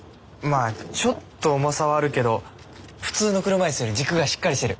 あちょっと重さはあるけど普通の車いすより軸がしっかりしてる。